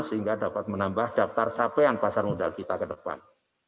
sehingga dapat menambah daftar capaian pasar modal kita ke depan